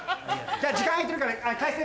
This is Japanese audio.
じゃあ時間空いてるから。